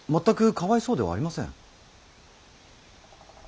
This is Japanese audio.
全くかわいそうではありません。